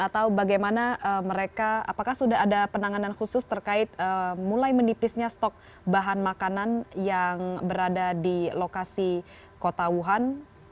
atau bagaimana mereka apakah sudah ada penanganan khusus terkait mulai menipisnya stok bahan makanan yang berada di lokasi kota wuhan